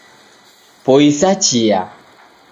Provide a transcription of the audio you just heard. Poisa chia